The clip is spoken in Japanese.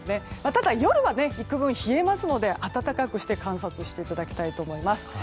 ただ夜は幾分冷えるので温かくして観察していただきたいと思います。